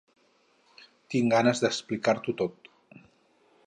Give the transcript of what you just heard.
Tinc ganes d'explicar-t'ho tot.